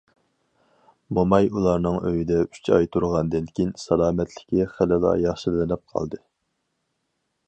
موماي ئۇلارنىڭ ئۆيىدە ئۈچ ئاي تۇرغاندىن كېيىن، سالامەتلىكى خېلىلا ياخشىلىنىپ قالدى.